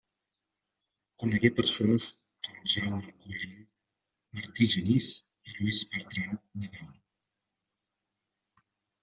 Conegué persones com Jaume Collell, Martí Genís i Lluís Bertran Nadal.